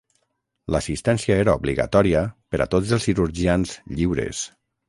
L'assistència era obligatòria per a tots els cirurgians "lliures".